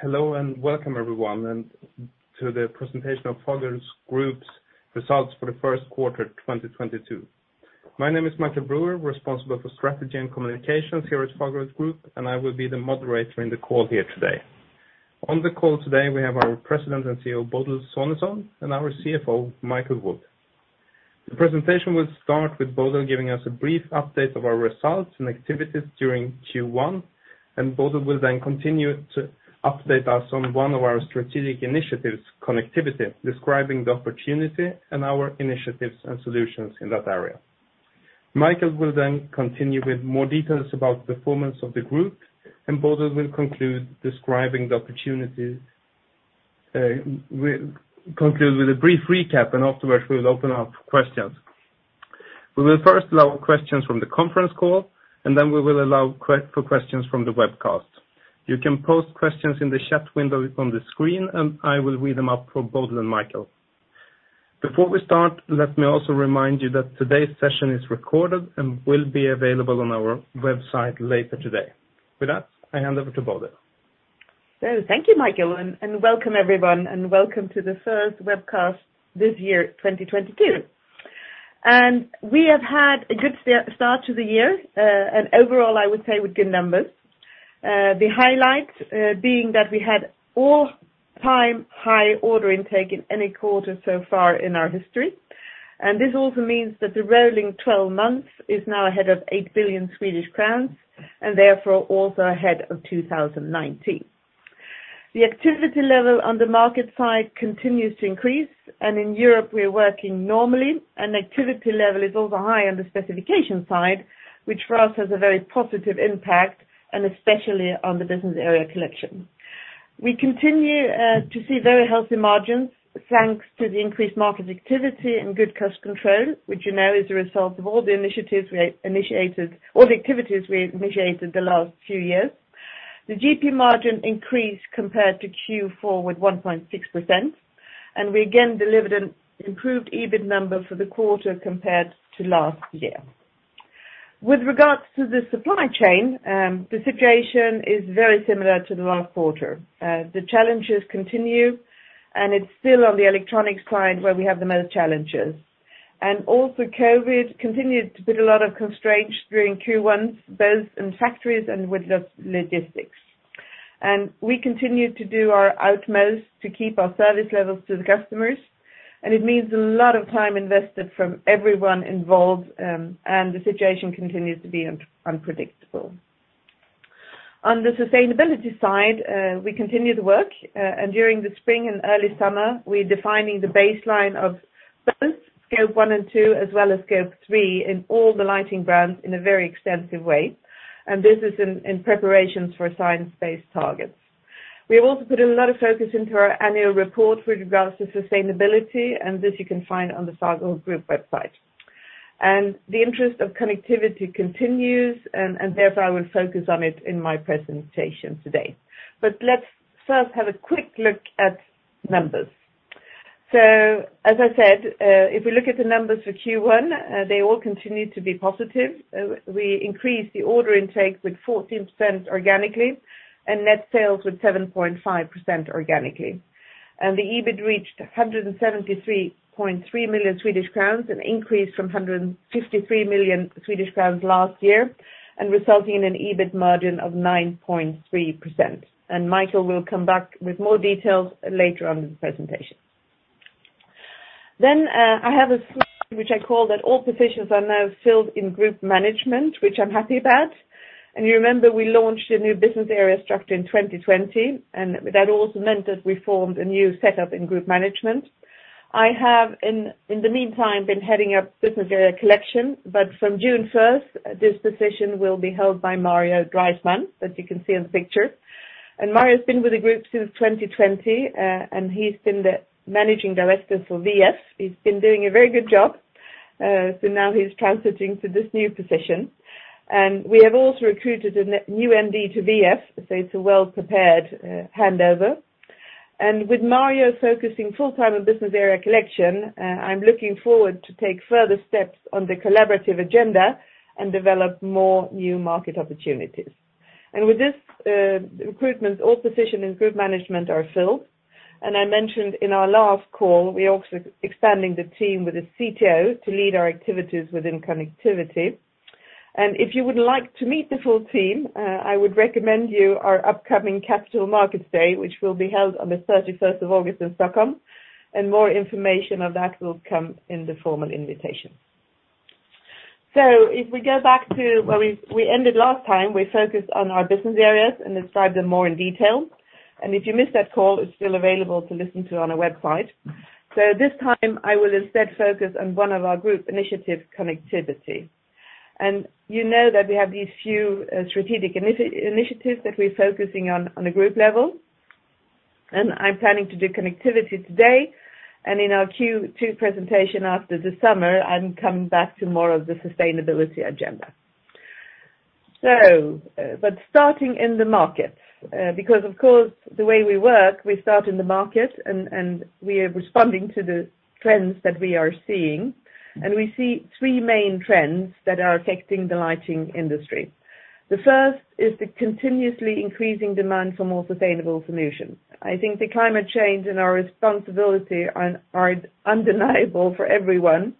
Hello, and welcome everyone to the presentation of Fagerhult Group's Results for the First Quarter 2022. My name is Michael Brüer, responsible for strategy and communications here at Fagerhult Group, and I will be the moderator in the call here today. On the call today, we have our President and CEO, Bodil Sonesson, and our CFO, Michael Wood. The presentation will start with Bodil giving us a brief update of our results and activities during Q1, and Bodil will then continue to update us on one of our strategic initiatives, connectivity, describing the opportunity and our initiatives and solutions in that area. Michael will then continue with more details about performance of the group, and Bodil will conclude describing the opportunities with a brief recap, and afterwards, we will open up for questions. We will first allow questions from the conference call, and then we will allow for questions from the webcast. You can post questions in the chat window on the screen, and I will read them up for Bodil and Michael. Before we start, let me also remind you that today's session is recorded and will be available on our website later today. With that, I hand over to Bodil. Thank you, Michael, and welcome everyone, and welcome to the first webcast this year, 2022. We have had a good start to the year, and overall, I would say with good numbers. The highlights being that we had all-time high order intake in any quarter so far in our history. This also means that the rolling twelve months is now ahead of 8 billion Swedish crowns, and therefore, also ahead of 2019. The activity level on the market side continues to increase, and in Europe, we're working normally, and activity level is also high on the specification side, which for us has a very positive impact, and especially on the Business Area Collection. We continue to see very healthy margins, thanks to the increased market activity and good cost control, which you know is a result of all the activities we initiated the last few years. The GP margin increased compared to Q4 with 1.6%, and we again delivered an improved EBIT number for the quarter compared to last year. With regards to the supply chain, the situation is very similar to the last quarter. The challenges continue, and it's still on the electronics side where we have the most challenges. COVID continued to put a lot of constraints during Q1, both in factories and with the logistics. We continued to do our utmost to keep our service levels to the customers, and it means a lot of time invested from everyone involved, and the situation continues to be unpredictable. On the sustainability side, we continue to work, and during the spring and early summer, we're defining the baseline of both Scope 1 and Scope 2 as well as Scope 3 in all the lighting brands in a very extensive way, and this is in preparations for science-based targets. We have also put a lot of focus into our annual report with regards to sustainability, and this you can find on the Fagerhult Group website. The interest of connectivity continues and therefore, I will focus on it in my presentation today. Let's first have a quick look at numbers. As I said, if we look at the numbers for Q1, they all continue to be positive. We increased the order intake with 14% organically and net sales with 7.5% organically. The EBIT reached 173.3 million Swedish crowns, an increase from 153 million Swedish crowns last year, and resulting in an EBIT margin of 9.3%. Michael will come back with more details later on in the presentation. I have a slide which I call that all positions are now filled in group management, which I'm happy about. You remember we launched a new business area structure in 2020, and that also meant that we formed a new setup in group management. I have, in the meantime, been heading up Business Area Collection, but from June 1, this position will be held by Mario Dreismann, as you can see in the picture. Mario's been with the group since 2020, and he's been the managing director for WE-EF. He's been doing a very good job, so now he's transitioning to this new position. We have also recruited a new MD to WE-EF, so it's a well-prepared handover. With Mario focusing full-time on Business Area Collection, I'm looking forward to take further steps on the collaborative agenda and develop more new market opportunities. With this recruitment, all position in Group Management are filled. I mentioned in our last call, we're also expanding the team with a CTO to lead our activities within connectivity. If you would like to meet the full team, I would recommend you our upcoming Capital Markets Day, which will be held on the 31st of August in Stockholm, and more information on that will come in the formal invitation. If we go back to where we ended last time, we focused on our business areas and described them more in detail. If you missed that call, it's still available to listen to on our website. This time, I will instead focus on one of our group initiatives, connectivity. You know that we have these few strategic initiatives that we're focusing on a group level. I'm planning to do connectivity today. In our Q2 presentation after the summer, I'm coming back to more of the sustainability agenda. Starting in the markets, because of course, the way we work, we start in the market and we are responding to the trends that we are seeing. We see three main trends that are affecting the lighting industry. The first is the continuously increasing demand for more sustainable solutions. I think the climate change and our responsibility are undeniable for everyone.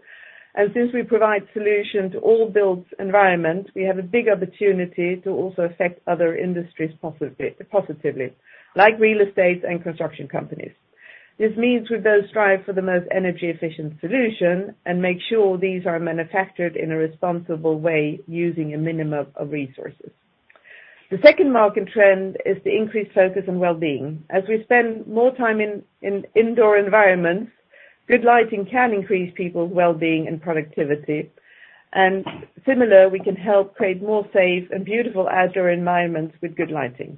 Since we provide solution to all built environment, we have a big opportunity to also affect other industries positively, like real estate and construction companies. This means we both strive for the most energy efficient solution and make sure these are manufactured in a responsible way using a minimum of resources. The second market trend is the increased focus on well-being. As we spend more time in indoor environments, good lighting can increase people's well-being and productivity. Similar, we can help create more safe and beautiful outdoor environments with good lighting.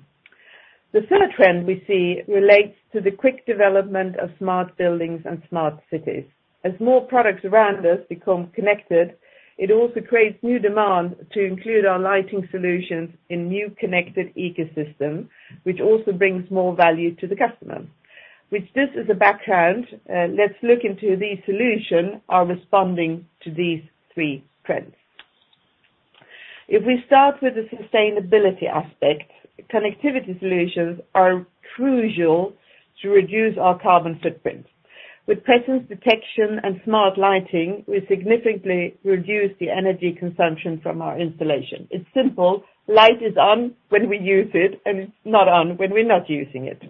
The third trend we see relates to the quick development of smart buildings and smart cities. As more products around us become connected, it also creates new demand to include our lighting solutions in new connected ecosystem, which also brings more value to the customer. With this as a background, let's look into these solutions are responding to these three trends. If we start with the sustainability aspect, connectivity solutions are crucial to reduce our carbon footprint. With presence detection and smart lighting, we significantly reduce the energy consumption from our installation. It's simple. Light is on when we use it, and it's not on when we're not using it.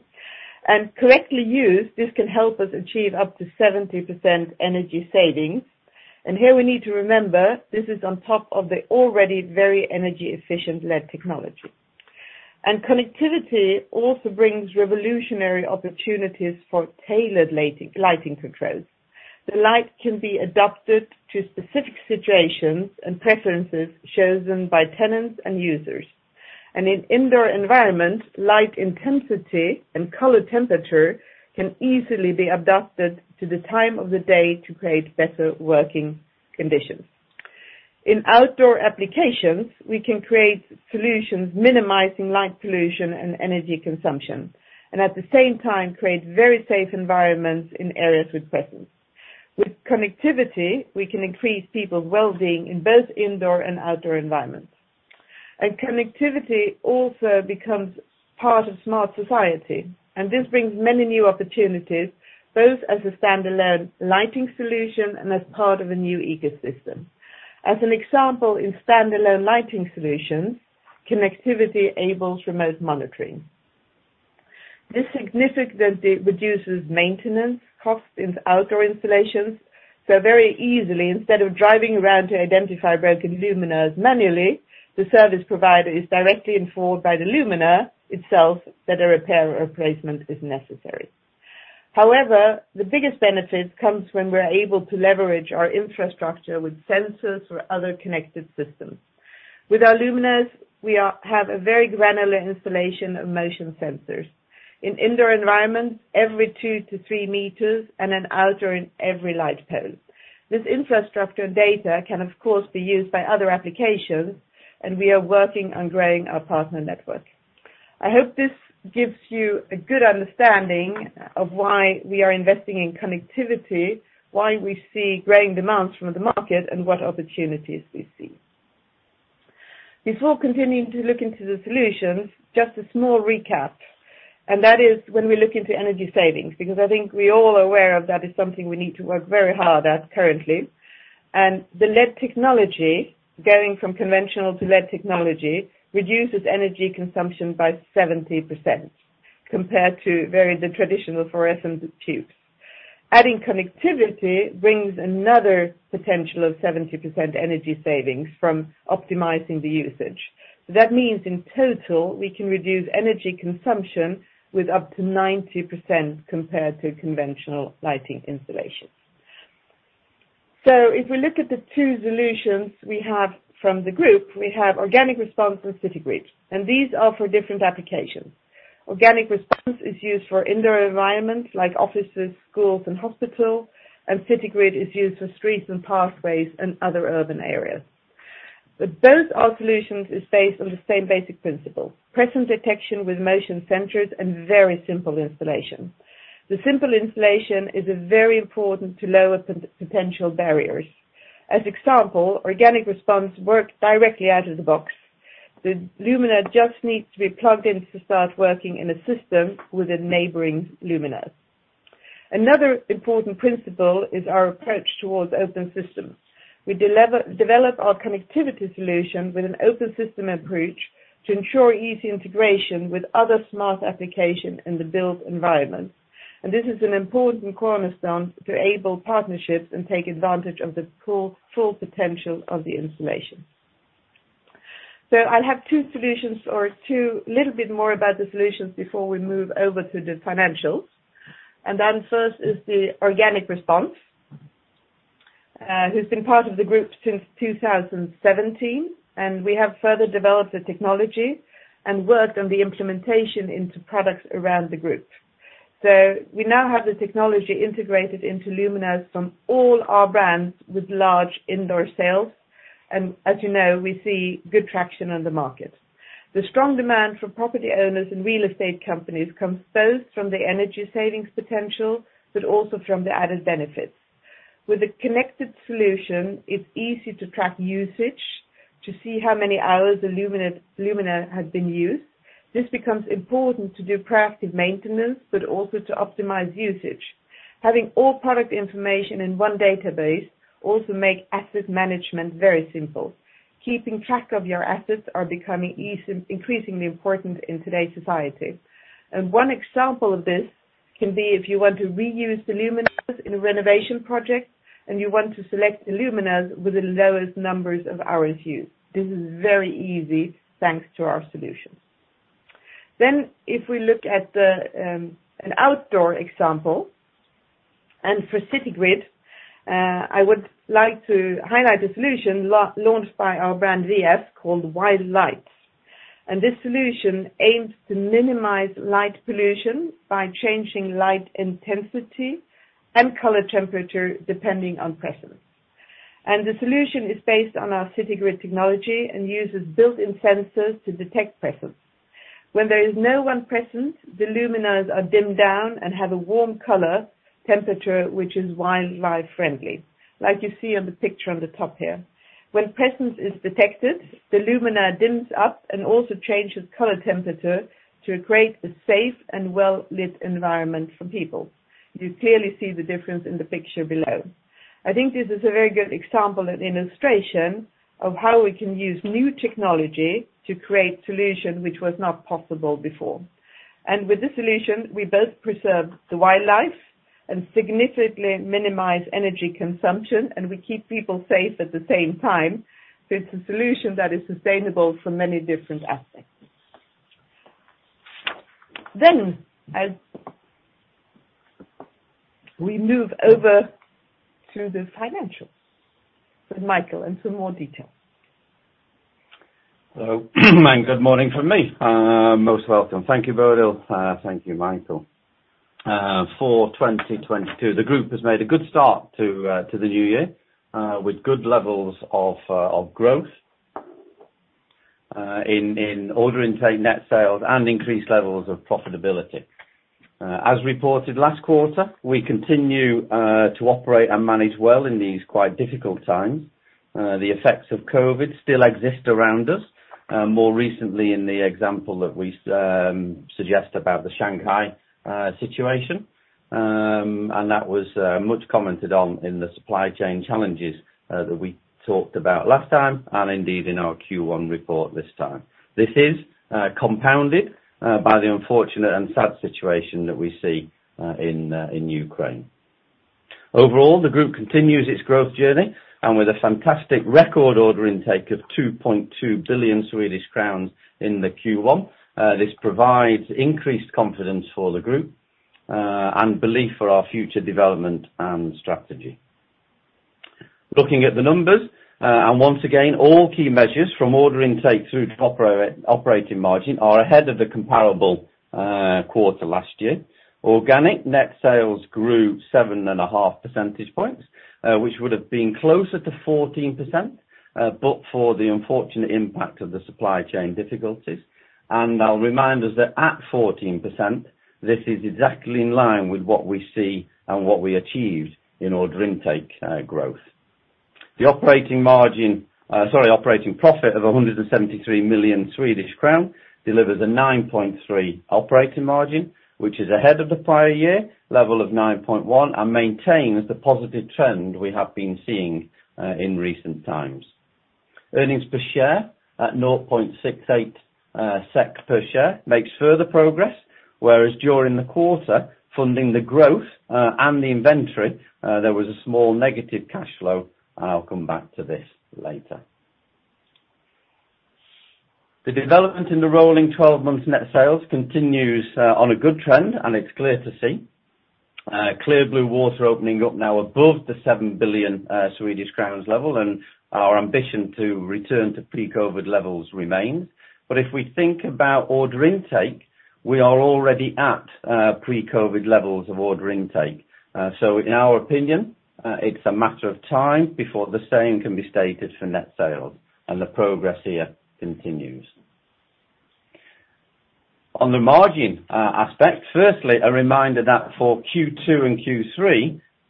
Correctly used, this can help us achieve up to 70% energy savings. Here we need to remember, this is on top of the already very energy efficient LED technology. Connectivity also brings revolutionary opportunities for tailored lighting controls. The light can be adapted to specific situations and preferences chosen by tenants and users. In indoor environments, light intensity and color temperature can easily be adapted to the time of the day to create better working conditions. In outdoor applications, we can create solutions minimizing light pollution and energy consumption, and at the same time create very safe environments in areas with presence. With connectivity, we can increase people's well-being in both indoor and outdoor environments. Connectivity also becomes part of smart society, and this brings many new opportunities, both as a stand-alone lighting solution and as part of a new ecosystem. As an example, in stand-alone lighting solutions, connectivity enables remote monitoring. This significantly reduces maintenance costs in outdoor installations. Very easily, instead of driving around to identify broken luminaires manually, the service provider is directly informed by the luminaire itself that a repair or replacement is necessary. However, the biggest benefit comes when we're able to leverage our infrastructure with sensors or other connected systems. With our luminaires, we have a very granular installation of motion sensors. In indoor environments, every 2-3 meters, and in outdoor, in every light post. This infrastructure data can, of course, be used by other applications, and we are working on growing our partner network. I hope this gives you a good understanding of why we are investing in connectivity, why we see growing demands from the market, and what opportunities we see. Before continuing to look into the solutions, just a small recap, and that is when we look into energy savings, because I think we're all aware of that is something we need to work very hard at currently. The LED technology, going from conventional to LED technology, reduces energy consumption by 70% compared to the traditional fluorescent tubes. Adding connectivity brings another potential of 70% energy savings from optimizing the usage. That means in total, we can reduce energy consumption with up to 90% compared to conventional lighting installations. If we look at the two solutions we have from the group, we have Organic Response and Citygrid, and these are for different applications. Organic Response is used for indoor environments like offices, schools and hospital, and Citygrid is used for streets and pathways and other urban areas. Both our solutions is based on the same basic principle, presence detection with motion sensors and very simple installation. The simple installation is a very important to lower potential barriers. As example, Organic Response work directly out of the box. The luminaire just needs to be plugged in to start working in a system with a neighboring luminaire. Another important principle is our approach towards open systems. We develop our connectivity solution with an open system approach to ensure easy integration with other smart application in the built environment. This is an important cornerstone to enable partnerships and take advantage of the full potential of the installation. I'll have two solutions or little bit more about the solutions before we move over to the financials. Then first is the Organic Response, who's been part of the group since 2017. We have further developed the technology and worked on the implementation into products around the group. We now have the technology integrated into luminaires from all our brands with large indoor sales. As you know, we see good traction on the market. The strong demand from property owners and real estate companies comes both from the energy savings potential, but also from the added benefits. With a connected solution, it's easy to track usage to see how many hours the luminaire has been used. This becomes important to do proactive maintenance, but also to optimize usage. Having all product information in one database also make asset management very simple. Keeping track of your assets are becoming easy, increasingly important in today's society. One example of this can be if you want to reuse the luminaires in a renovation project, and you want to select the luminaires with the lowest numbers of hours used. This is very easy thanks to our solutions. If we look at an outdoor example, and for Citygrid, I would like to highlight a solution launched by our brand WE-EF called WILD-LIGHT. This solution aims to minimize light pollution by changing light intensity and color temperature depending on presence. The solution is based on our Citygrid technology and uses built-in sensors to detect presence. When there is no one present, the luminaires are dimmed down and have a warm color temperature, which is wildlife friendly, like you see on the picture on the top here. When presence is detected, the luminaire dims up and also changes color temperature to create a safe and well-lit environment for people. You clearly see the difference in the picture below. I think this is a very good example and illustration of how we can use new technology to create solution which was not possible before. With this solution, we both preserve the and significantly minimize energy consumption, and we keep people safe at the same time. It's a solution that is sustainable for many different aspects. As we move over to the financials with Michael and some more details. Hello and good morning from me. Most welcome. Thank you, Bodil. Thank you, Michael. For 2022, the group has made a good start to the new year with good levels of growth in order intake, net sales and increased levels of profitability. As reported last quarter, we continue to operate and manage well in these quite difficult times. The effects of COVID still exist around us, more recently in the example that we suggest about the Shanghai situation. That was much commented on in the supply chain challenges that we talked about last time and indeed in our Q1 report this time. This is compounded by the unfortunate and sad situation that we see in Ukraine. Overall, the group continues its growth journey with a fantastic record order intake of 2.2 billion Swedish crowns in Q1. This provides increased confidence for the group and belief for our future development and strategy. Looking at the numbers, once again all key measures from order intake through to operating margin are ahead of the comparable quarter last year. Organic net sales grew 7.5 percentage points, which would have been closer to 14%, but for the unfortunate impact of the supply chain difficulties. I'll remind us that at 14% this is exactly in line with what we see and what we achieved in order intake growth. Operating profit of 173 million Swedish crown delivers a 9.3% operating margin, which is ahead of the prior year level of 9.1% and maintains the positive trend we have been seeing in recent times. Earnings per share at 0.68 SEK per share makes further progress, whereas during the quarter, funding the growth and the inventory, there was a small negative cash flow, and I'll come back to this later. The development in the rolling twelve months net sales continues on a good trend, and it's clear to see. Clear blue water opening up now above the 7 billion Swedish crowns level, and our ambition to return to pre-COVID levels remains. If we think about order intake, we are already at pre-COVID levels of order intake. In our opinion, it's a matter of time before the same can be stated for net sales, and the progress here continues. On the margin aspect, firstly, a reminder that for Q3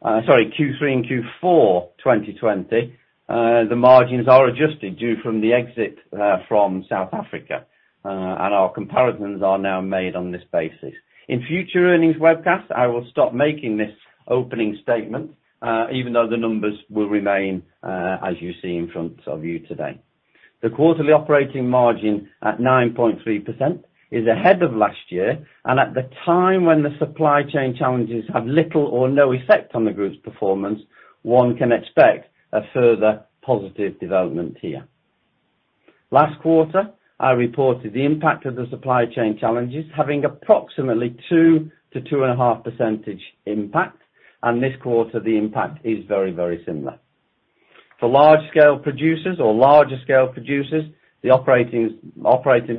and Q4 2020, the margins are adjusted due to the exit from South Africa, and our comparisons are now made on this basis. In future earnings webcasts, I will stop making this opening statement, even though the numbers will remain as you see in front of you today. The quarterly operating margin at 9.3% is ahead of last year, and at the time when the supply chain challenges have little or no effect on the group's performance, one can expect a further positive development here. Last quarter, I reported the impact of the supply chain challenges having approximately 2-2.5% impact, and this quarter the impact is very, very similar. For large scale producers or larger scale producers, the operating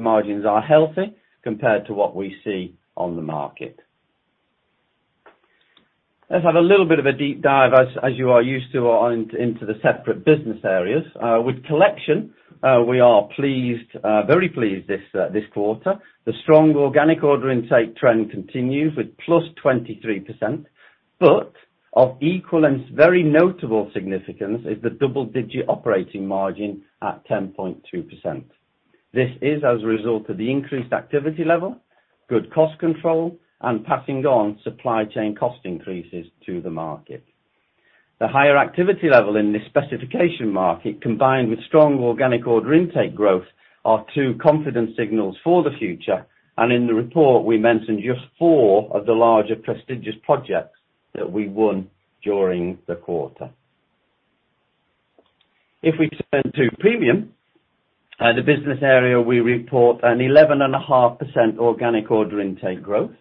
margins are healthy compared to what we see on the market. Let's have a little bit of a deep dive as you are used to into the separate business areas. With Collection, we are pleased, very pleased this quarter. The strong organic order intake trend continues with +23%. Of equal and very notable significance is the double-digit operating margin at 10.2%. This is as a result of the increased activity level, good cost control, and passing on supply chain cost increases to the market. The higher activity level in this specification market, combined with strong organic order intake growth, are two confidence signals for the future. In the report, we mentioned just four of the larger prestigious projects that we won during the quarter. If we turn to Premium, the Business Area, we report an 11.5% organic order intake growth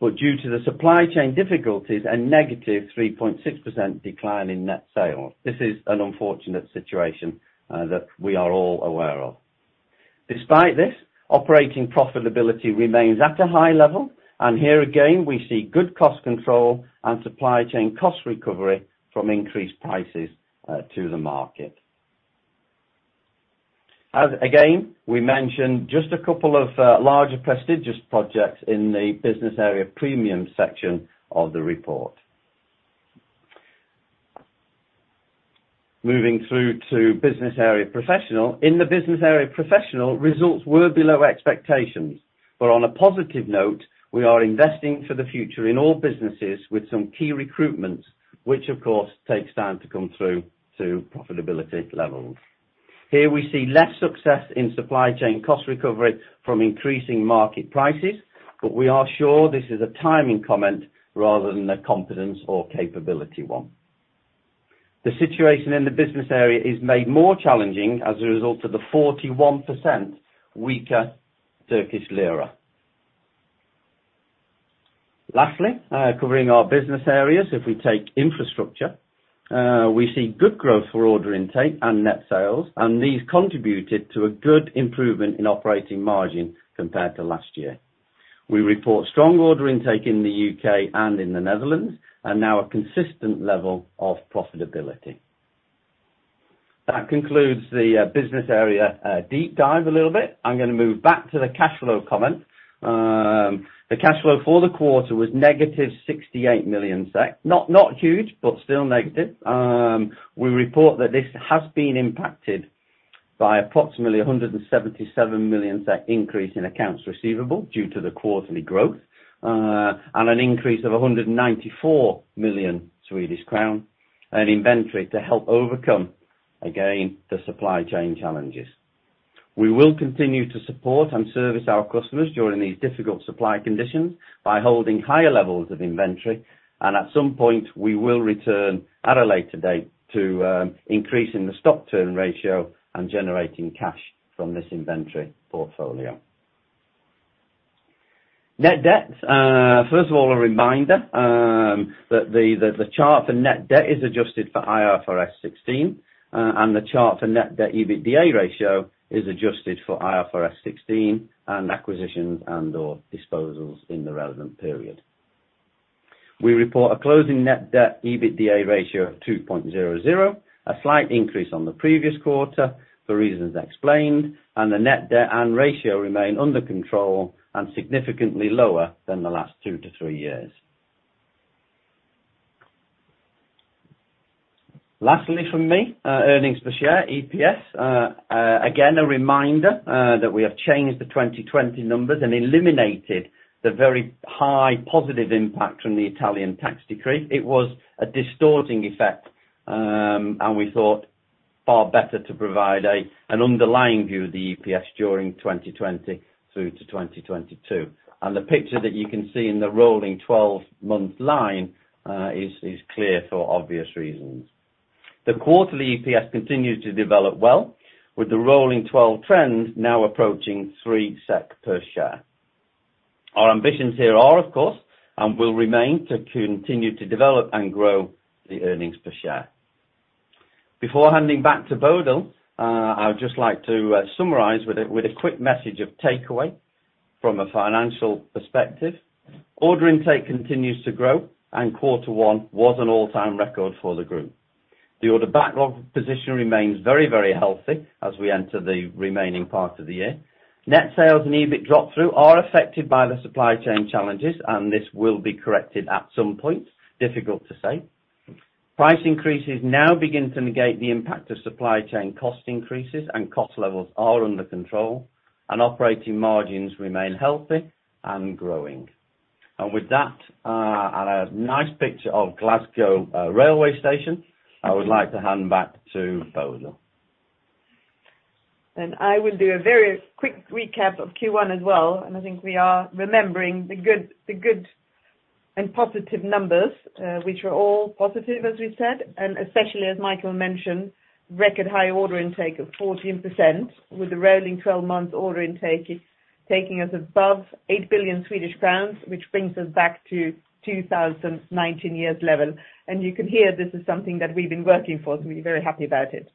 but due to the supply chain difficulties, a -3.6% decline in net sales. This is an unfortunate situation that we are all aware of. Despite this, operating profitability remains at a high level, and here again, we see good cost control and supply chain cost recovery from increased prices to the market. As again, we mentioned just a couple of larger prestigious projects in the Business Area Premium section of the report. Moving through to Business Area Professional. In the Business Area Professional, results were below expectations, but on a positive note, we are investing for the future in all businesses with some key recruitments, which of course takes time to come through to profitability levels. Here we see less success in supply chain cost recovery from increasing market prices, but we are sure this is a timing comment rather than a confidence or capability one. The situation in the business area is made more challenging as a result of the 41% weaker Turkish lira. Lastly, covering our business areas. If we take infrastructure, we see good growth for order intake and net sales, and these contributed to a good improvement in operating margin compared to last year. We report strong order intake in the U.K. and in the Netherlands, and now a consistent level of profitability. That concludes the business area deep dive a little bit. I'm gonna move back to the cash flow comment. The cash flow for the quarter was negative 68 million SEK. Not huge, but still negative. We report that this has been impacted by approximately 177 million increase in accounts receivable due to the quarterly growth, and an increase of 194 million Swedish crown in inventory to help overcome again the supply chain challenges. We will continue to support and service our customers during these difficult supply conditions by holding higher levels of inventory, and at some point, we will return at a later date to increasing the stock turn ratio and generating cash from this inventory portfolio. Net debt. First of all, a reminder that the chart for net debt is adjusted for IFRS 16, and the chart for net debt EBITDA ratio is adjusted for IFRS 16 and acquisitions and/or disposals in the relevant period. We report a closing net debt EBITDA ratio of 2.00, a slight increase on the previous quarter for reasons explained, and the net debt and ratio remain under control and significantly lower than the last two-three years. Lastly from me, earnings per share, EPS. Again, a reminder that we have changed the 2020 numbers and eliminated the very high positive impact from the Italian tax decree. It was a distorting effect, and we thought far better to provide an underlying view of the EPS during 2020 through to 2022. The picture that you can see in the rolling twelve-month line is clear for obvious reasons. The quarterly EPS continued to develop well, with the rolling twelve trend now approaching 3 SEK per share. Our ambitions here are, of course, and will remain, to continue to develop and grow the earnings per share. Before handing back to Bodil, I would just like to summarize with a quick message of takeaway from a financial perspective. Order intake continues to grow, and quarter one was an all-time record for the group. The order backlog position remains very, very healthy as we enter the remaining part of the year. Net sales and EBIT drop through are affected by the supply chain challenges, and this will be corrected at some point. Difficult to say. Price increases now begin to negate the impact of supply chain cost increases, and cost levels are under control. Operating margins remain healthy and growing. With that, and a nice picture of Glasgow railway station, I would like to hand back to Bodil. I will do a very quick recap of Q1 as well. I think we are remembering the good and positive numbers, which are all positive, as we said, and especially as Michael mentioned, record high order intake of 14% with the rolling twelve months order intake is taking us above 8 billion Swedish crowns, which brings us back to 2019 year's level. You can hear this is something that we've been working for, so we're very happy about it.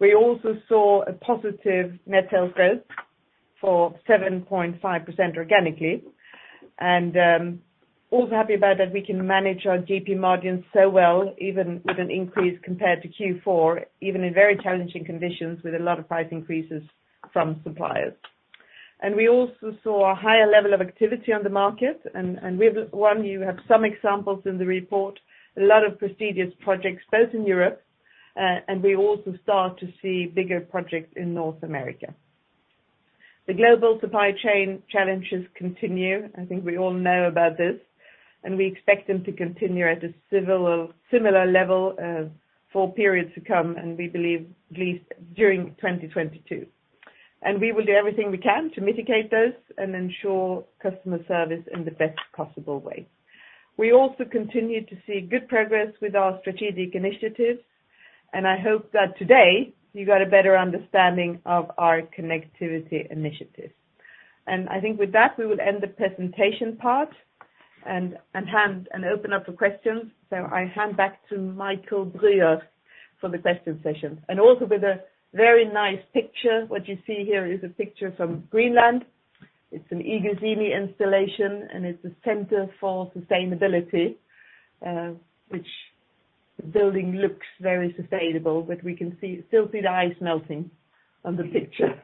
We also saw a positive net sales growth for 7.5% organically. We are also happy about that we can manage our GP margins so well, even with an increase compared to Q4, even in very challenging conditions with a lot of price increases from suppliers. We also saw a higher level of activity on the market, and we have won. You have some examples in the report, a lot of prestigious projects both in Europe, and we also start to see bigger projects in North America. The global supply chain challenges continue. I think we all know about this, and we expect them to continue at a similar level, for periods to come, and we believe at least during 2022. We will do everything we can to mitigate those and ensure customer service in the best possible way. We also continue to see good progress with our strategic initiatives, and I hope that today you got a better understanding of our connectivity initiatives. I think with that, we will end the presentation part and hand and open up for questions. I hand back to Michael Brüer for the question session and also with a very nice picture. What you see here is a picture from Greenland. It's an Igloo installation, and it's a center for sustainability, which the building looks very sustainable, but we can still see the ice melting on the picture.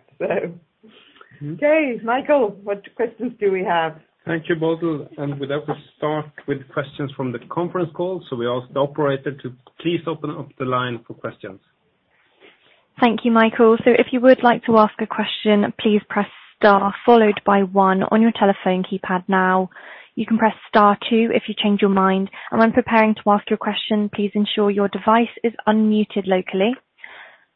Okay, Michael, what questions do we have? Thank you, Bodil. With that, we start with questions from the conference call. We ask the operator to please open up the line for questions. Thank you, Michael. If you would like to ask a question, please press star followed by one on your telephone keypad now. You can press star two if you change your mind. When preparing to ask your question, please ensure your device is unmuted locally.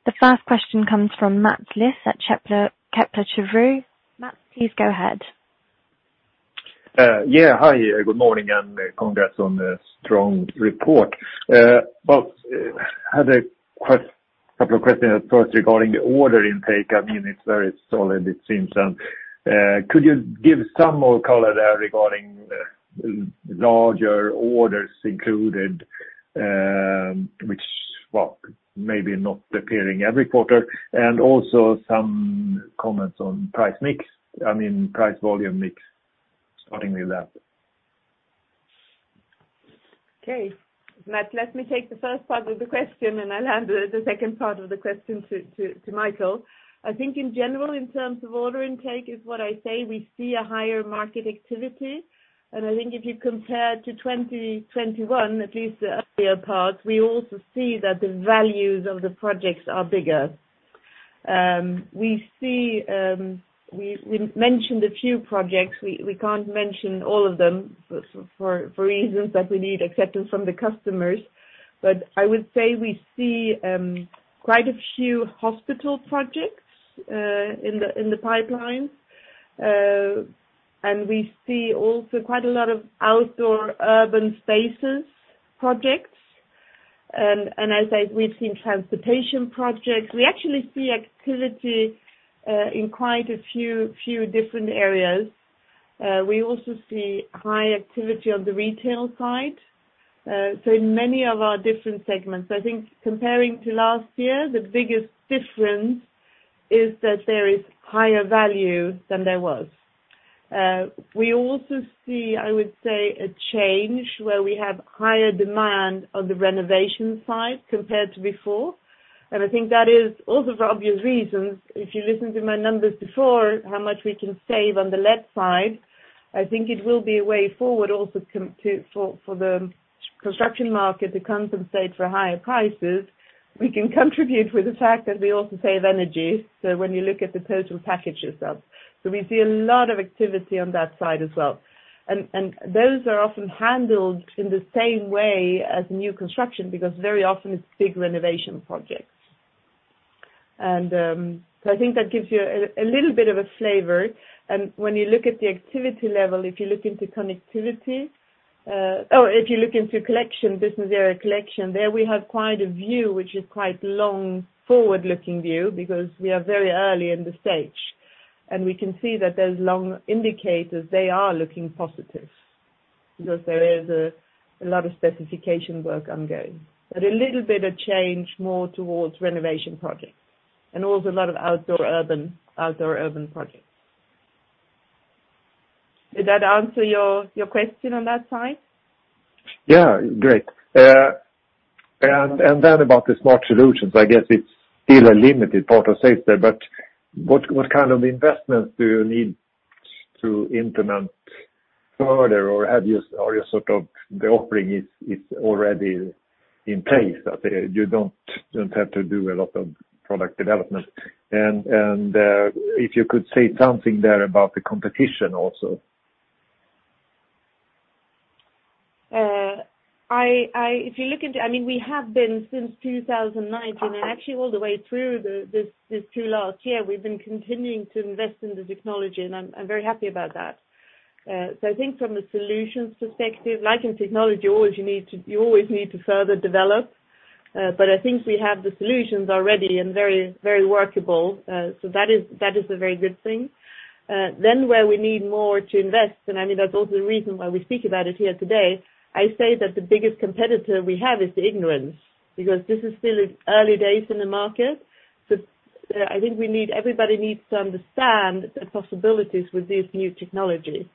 The first question comes from Mats Liss at Kepler Cheuvreux. Mats, please go ahead. Hi, good morning, and congrats on the strong report. I had a couple of questions. First, regarding the order intake, I mean, it's very solid, it seems. Could you give some more color there regarding larger orders included, which maybe not appearing every quarter? Also some comments on price mix. I mean, price-volume mix, starting with that. Okay. Mats, let me take the first part of the question, and I'll hand the second part of the question to Michael. I think in general, in terms of order intake is what I say we see a higher market activity. I think if you compare to 2021, at least the earlier part, we also see that the values of the projects are bigger. We see we mentioned a few projects. We can't mention all of them for reasons that we need acceptance from the customers. I would say we see quite a few hospital projects in the pipeline. We see also quite a lot of outdoor urban spaces projects. As I said, we've seen transportation projects. We actually see activity in quite a few different areas. We also see high activity on the retail side. In many of our different segments, I think comparing to last year, the biggest difference is that there is higher value than there was. We also see, I would say, a change where we have higher demand on the renovation side compared to before. I think that is also for obvious reasons. If you listen to my numbers before, how much we can save on the LED side, I think it will be a way forward also for the construction market to compensate for higher prices. We can contribute with the fact that we also save energy. When you look at the total package itself. We see a lot of activity on that side as well. Those are often handled in the same way as new construction because very often it's big renovation projects. I think that gives you a little bit of a flavor. When you look at the activity level, if you look into collection, Business Area Collection, there we have quite a view, which is quite long forward-looking view because we are very early in the stage, and we can see that those long indicators they are looking positive because there is a lot of specification work ongoing. But a little bit of change more towards renovation projects and also a lot of outdoor urban projects. Did that answer your question on that side? Yeah. Great. About the smart solutions, I guess it's still a limited part of sales. What kind of investments do you need to implement further, or is the offering already in place out there. You don't have to do a lot of product development. If you could say something there about the competition also. I mean, we have been since 2019 and actually all the way through the last two years, we've been continuing to invest in the technology, and I'm very happy about that. I think from a solutions perspective, like in technology, you always need to further develop, but I think we have the solutions already and very workable. That is a very good thing. Where we need to invest more, and I mean, that's also the reason why we speak about it here today. I say that the biggest competitor we have is the ignorance, because this is still early days in the market. Everybody needs to understand the possibilities with these new technologies.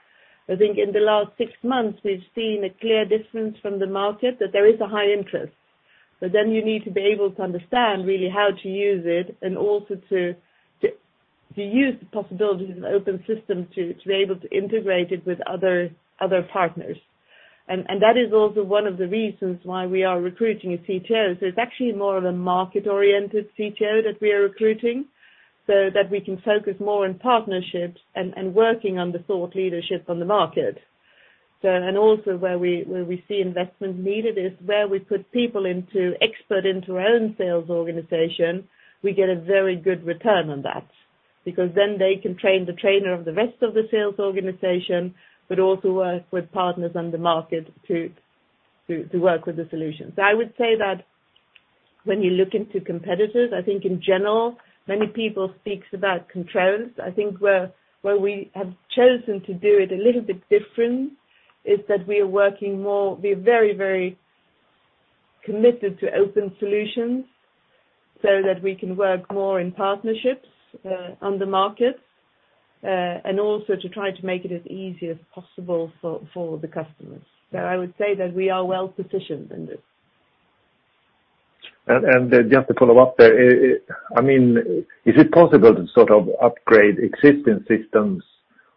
I think in the last six months we've seen a clear difference from the market that there is a high interest. Then you need to be able to understand really how to use it and also to use the possibilities of an open system to be able to integrate it with other partners. That is also one of the reasons why we are recruiting a CTO. It's actually more of a market-oriented CTO that we are recruiting, so that we can focus more on partnerships and working on the thought leadership on the market. Where we see investment needed is where we put people into expertise in our own sales organization, we get a very good return on that because then they can train the trainer of the rest of the sales organization, but also work with partners on the market to work with the solutions. I would say that when you look into competitors, I think in general, many people speak about controls. I think where we have chosen to do it a little bit different is that we are working more. We're very, very committed to open solutions so that we can work more in partnerships on the markets and also to try to make it as easy as possible for the customers. I would say that we are well-positioned in this. Just to follow up there, I mean, is it possible to sort of upgrade existing systems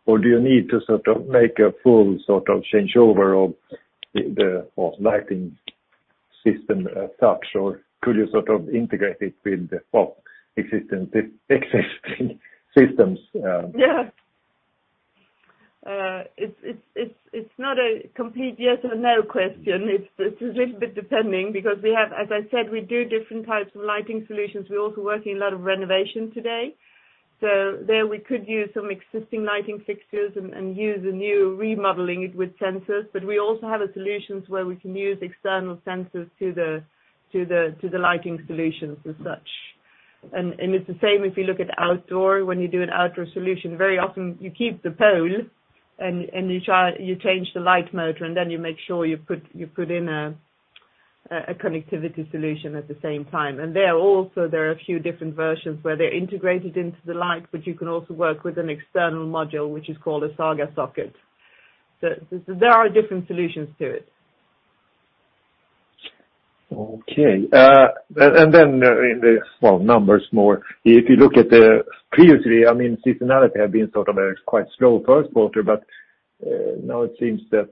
or do you need to sort of make a full sort of changeover of the lighting system as such? Or could you sort of integrate it with the, well, existing systems? Yeah, it's not a complete yes or no question. It's a little bit depending because we have. As I said, we do different types of lighting solutions. We're also working a lot of renovation today. There we could use some existing lighting fixtures and use the new remodeling with sensors. But we also have the solutions where we can use external sensors to the lighting solutions as such. It's the same if you look at outdoor. When you do an outdoor solution, very often you keep the pole and you change the light motor, and then you make sure you put in a connectivity solution at the same time. There also are a few different versions where they're integrated into the light, but you can also work with an external module, which is called a Zhaga socket. There are different solutions to it. Okay. Then in the numbers more. If you look at previously, I mean, seasonality had been sort of a quite slow first quarter, but now it seems that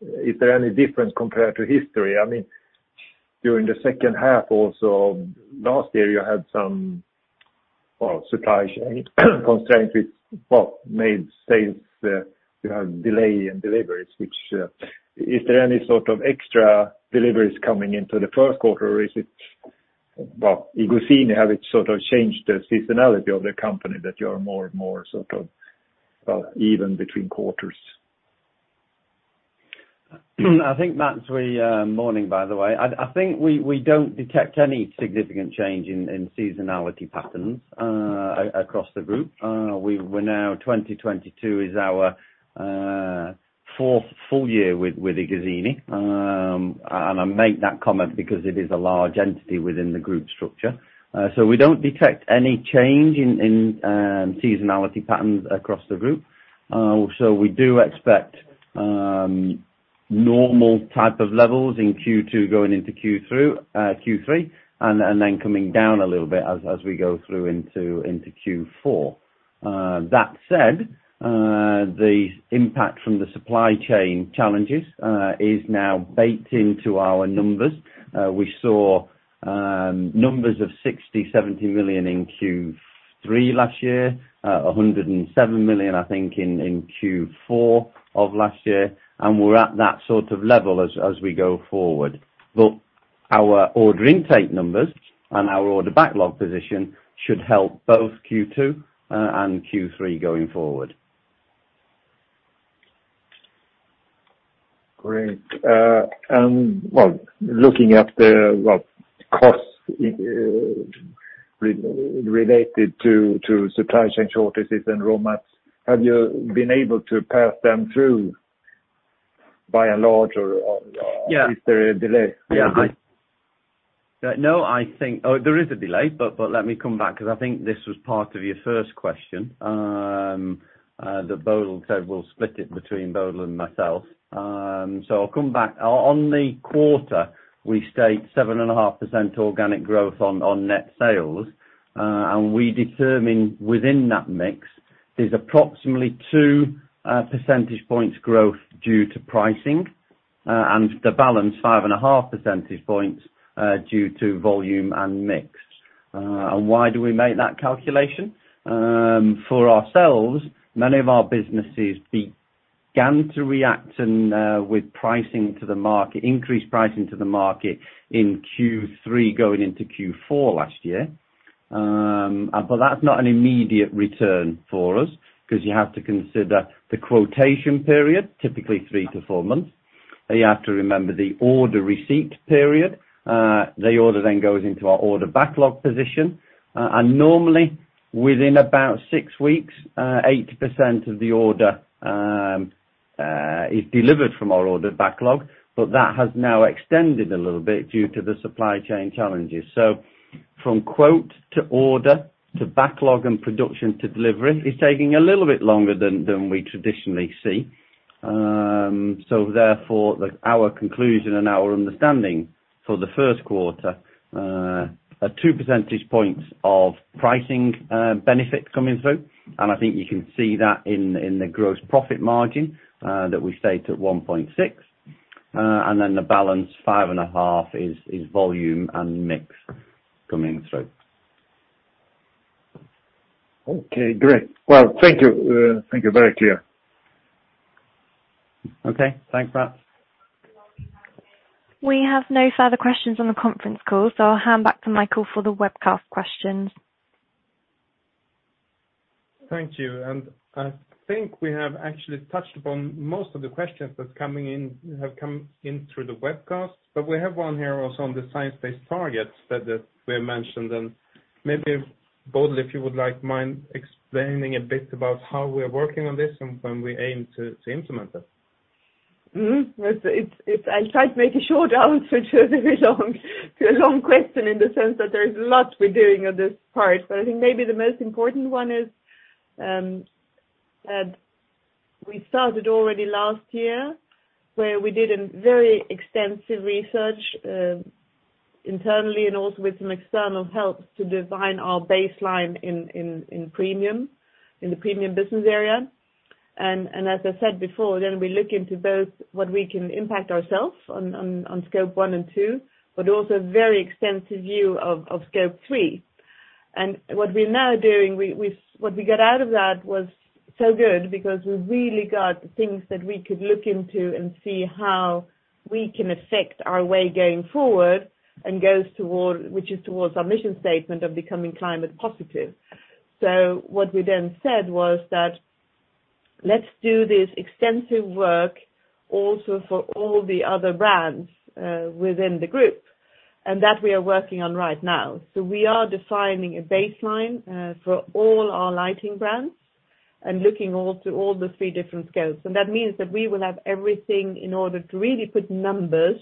is there any difference compared to history? I mean, during the second half also last year, you had some supply chain constraints which made sales, you know, delay in deliveries. Is there any sort of extra deliveries coming into the first quarter or is it iGuzzini, have it sort of changed the seasonality of the company that you are more and more sort of even between quarters? I think Mats, it's really.. Good morning, by the way. I think we don't detect any significant change in seasonality patterns across the group. We're now 2022 is our fourth full year with iGuzzini. I make that comment because it is a large entity within the group structure. We don't detect any change in seasonality patterns across the group. We do expect normal type of levels in Q2 going into Q3 and then coming down a little bit as we go through into Q4. That said, the impact from the supply chain challenges is now baked into our numbers. We saw numbers of 60-70 million in Q3 last year, 107 million, I think, in Q4 of last year, and we're at that sort of level as we go forward. Our order intake numbers and our order backlog position should help both Q2 and Q3 going forward. Great. Looking at the costs related to supply chain shortages and raw materials, have you been able to pass them through by and large or Yeah. Is there a delay? No, I think there is a delay, But let me come back because I think this was part of your first question, that Bodil said we'll split it between Bodil and myself. I'll come back. On the quarter, we state 7.5% organic growth on net sales. We determine within that mix is approximately 2 percentage points growth due to pricing, and the balance 5.5 percentage points due to volume and mix. Why do we make that calculation? For ourselves, many of our businesses began to react with pricing to the market, increased pricing to the market in Q3 going into Q4 last year. That's not an immediate return for us because you have to consider the quotation period, typically three-four months, and you have to remember the order receipt period. The order then goes into our order backlog position, and normally within about six weeks, 80% of the order is delivered from our order backlog. That has now extended a little bit due to the supply chain challenges. From quote to order to backlog and production to delivery is taking a little bit longer than we traditionally see. Therefore, like our conclusion and our understanding for the first quarter are 2 percentage points of pricing benefits coming through. I think you can see that in the gross profit margin that we state at 1.6. The balance 5.5% is volume and mix coming through. Okay, great. Well, thank you. Very clear. Okay. Thanks, Mats. We have no further questions on the conference call, so I'll hand back to Michael for the webcast questions. Thank you. I think we have actually touched upon most of the questions that's coming in, have come in through the webcast, but we have one here also on the science-based targets that we had mentioned. Maybe, Bodil, if you wouldn't mind explaining a bit about how we're working on this and when we aim to implement it. I'll try to make a short answer to a long question in the sense that there's a lot we're doing on this part. I think maybe the most important one is we started already last year, where we did a very extensive research internally and also with some external help to design our baseline in the Premium business area. As I said before, then we look into both what we can impact ourselves on Scope 1 and 2, but also very extensive view of Scope 3. What we got out of that was so good because we really got the things that we could look into and see how we can affect our way going forward and goes toward. Which is towards our mission statement of becoming climate positive. What we then said was that, let's do this extensive work also for all the other brands within the group, and that we are working on right now. We are defining a baseline for all our lighting brands and looking at all the three different scopes. That means that we will have everything in order to really put numbers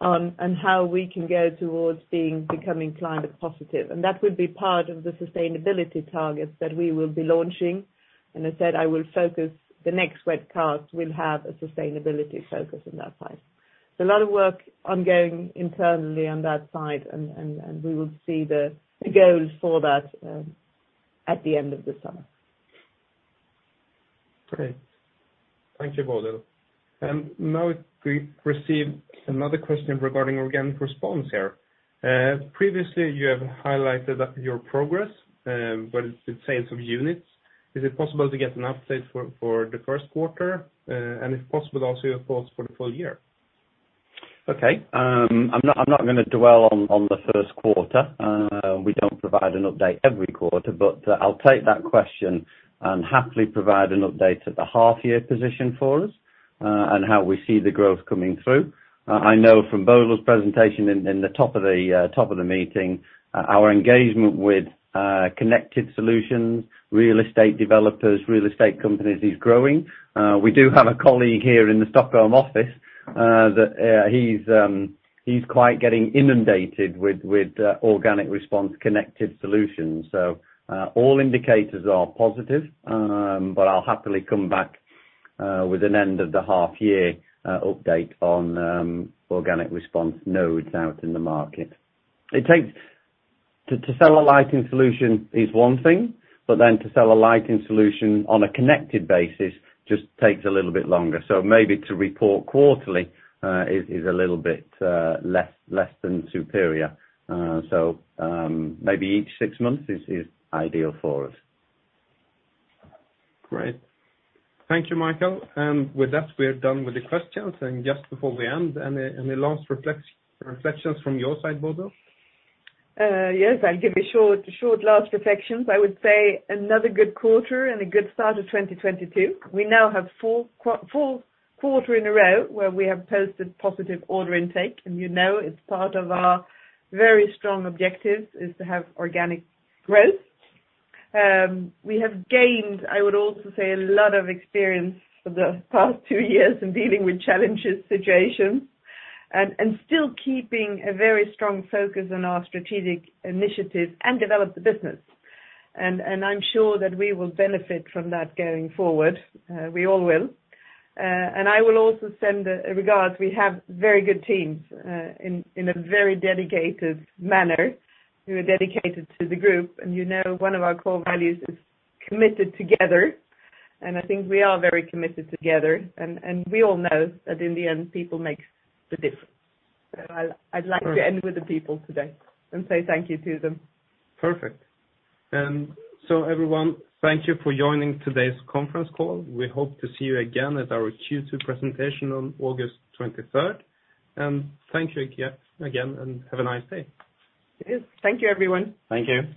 on how we can go towards becoming climate positive. That will be part of the sustainability targets that we will be launching. I said I will focus, the next webcast will have a sustainability focus on that side. A lot of work ongoing internally on that side and we will see the goals for that at the end of the summer. Great. Thank you, Bodil. Now we received another question regarding Organic Response here. Previously you have highlighted your progress, but it's sales of units. Is it possible to get an update for the first quarter, and if possible, also your thoughts for the full year? Okay. I'm not gonna dwell on the first quarter. We don't provide an update every quarter, but I'll take that question and happily provide an update at the half year position for us, and how we see the growth coming through. I know from Bodil's presentation in the top of the meeting, our engagement with connected solutions, real estate developers, real estate companies is growing. We do have a colleague here in the Stockholm office that he's quite getting inundated with Organic Response connected solutions. All indicators are positive, but I'll happily come back with an end of the half year update on Organic Response nodes out in the market. To sell a lighting solution is one thing, but then to sell a lighting solution on a connected basis just takes a little bit longer. Maybe to report quarterly is a little bit less than superior. Maybe each six months is ideal for us. Great. Thank you, Michael. With that, we are done with the questions. Just before we end, any last reflections from your side, Bodil? Yes, I'll give a short last reflections. I would say another good quarter and a good start of 2022. We now have four quarters in a row where we have posted positive order intake. You know it's part of our very strong objectives is to have organic growth. We have gained, I would also say, a lot of experience for the past two years in dealing with challenges, situations, and still keeping a very strong focus on our strategic initiatives and develop the business. I'm sure that we will benefit from that going forward. We all will. I will also send regards. We have very good teams in a very dedicated manner who are dedicated to the group. You know one of our core values is committed together, and I think we are very committed together. We all know that in the end, people makes the difference. I'd like to end with the people today and say thank you to them. Perfect. Everyone, thank you for joining today's conference call. We hope to see you again at our Q2 presentation on August 23rd. Thank you again, and have a nice day. Yes. Thank you, everyone. Thank you.